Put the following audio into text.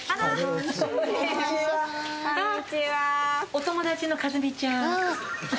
お友達の和美ちゃん。